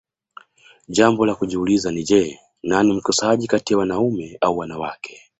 jambo la kujiuliza ni je nani mkosaji kati ya wanaume au wanawake